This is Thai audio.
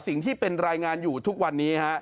สิ่งที่เป็นรายงานอยู่ทุกวันนี้ฮะ